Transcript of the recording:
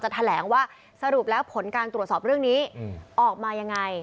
แถลงว่าสรุปแล้วผลการตรวจสอบเรื่องนี้ออกมายังไง